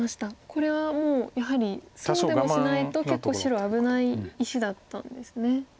これはやはりそうでもしないと結構白危ない石だったんですね。